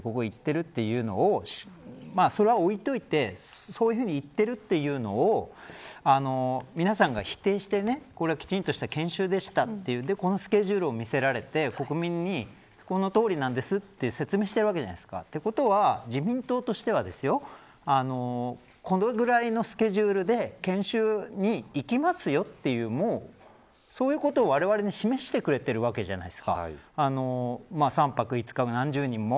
そういうふうに見えちゃうスケジュールで行っているというのをそれは置いといてそういうふうに行ってるというのを皆さんが否定してこれきちんとした研修でしたというこのスケジュールを見せられて国民にこのとおりなんですと説明しているわけじゃないですか。ということは、自民党としてはこのぐらいのスケジュールで研修に行きますよというそういうことを、われわれに示してくれているわけじゃないですか。